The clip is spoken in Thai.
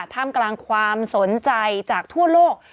ท่ามกลางความสนใจจากทั่วโลก